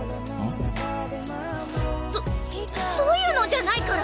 そそういうのじゃないから！